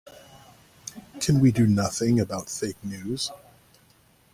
Can we do nothing about fake news?